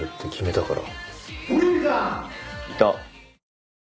いた。